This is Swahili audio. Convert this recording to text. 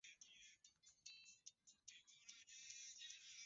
Aliwaambia wafuasi wake hataki siasa za Zimbabwe zisababishe kifo chochote